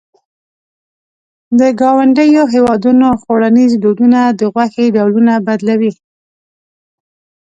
د ګاونډیو هېوادونو خوړنيز دودونه د غوښې ډولونه بدلوي.